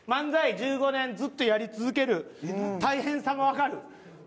１５年ずっとやり続ける大変さもわかる。